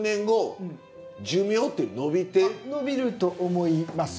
あっ伸びると思います。